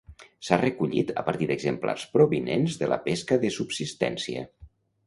S'ha recollit a partir d'exemplars provinents de la pesca de subsistència.